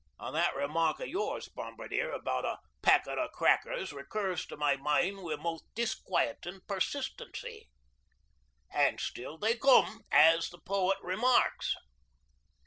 An' that remark o' yours, bombardier, about a packet o' crackers recurs to my min' wi' most disquietin' persistency. 'An' still they come,' as the poet remarks."